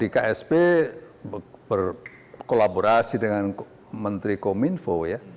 ksp berkolaborasi dengan menteri kominfo ya